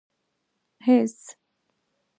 هېڅ.